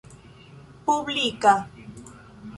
publika